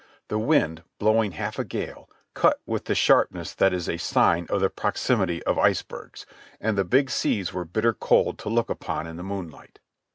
The wind, blowing half a gale, cut with the sharpness that is a sign of the proximity of icebergs; and the big seas were bitter cold to look upon in the moonlight.